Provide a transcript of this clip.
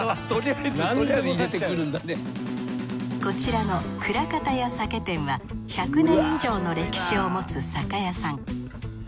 こちらの倉形屋酒店は１００年以上の歴史を持つ酒屋さん。